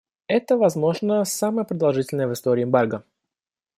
Это, возможно, самое продолжительное в истории эмбарго.